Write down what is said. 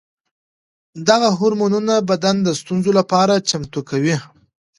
دغه هورمونونه بدن د ستونزو لپاره چمتو کوي.